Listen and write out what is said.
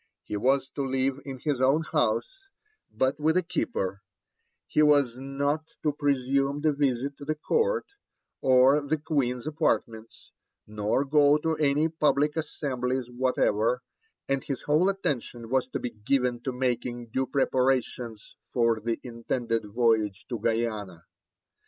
He was to live in his own house, but, with a keeper; he was not to presume to visit the Court, or the Queen's apartments, nor go to any public assemblies whatever, and his whole attention was to be given to making due preparations for the intended voyage to Guiana.